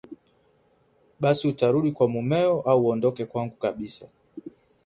Basi utarudi kwa mumeo au uondoke kwangu kabisa